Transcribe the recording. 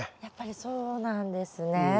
やっぱりそうなんですね。